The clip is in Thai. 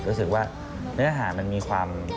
รู้สึกว่าเนื้อหามันมีความ